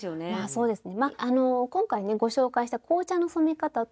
そうですね。